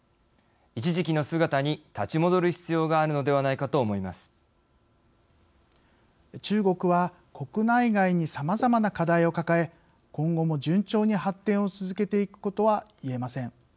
一時期の姿に立ち戻る必要が中国は国内外にさまざまな課題を抱え今後も順調に発展を続けていくことはいえません。